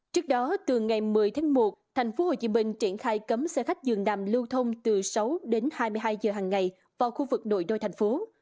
trước đó từ ngày một mươi tháng một tp hcm triển khai cấm xe khách dường nằm lưu thông từ sáu đến hai mươi hai giờ hằng ngày vào khu vực nội đô thành phố